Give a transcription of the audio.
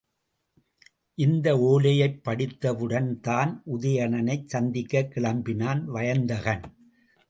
இந்த ஓலையைப் படித்தவுடன்தான் உதயணனைச் சந்திக்கக் கிளம்பினான் வயந்தகன்.